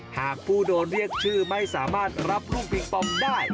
หากผู้โดนเรียกชื่อไม่สามารถรับลูกปิงปองได้